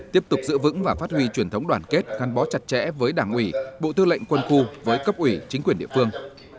tiếp tục giữ vững và phát huy truyền thống đoàn kết gắn bó chặt chẽ với đảng ủy bộ tư lệnh quân khu với cấp ủy chính quyền địa phương